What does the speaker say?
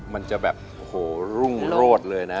มันจะแบบโอ้โหรุ่งโรดเลยนะ